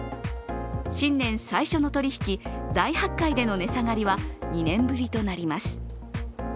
新年最初の取り引き大発会での値下がりは２年ぶりとなります。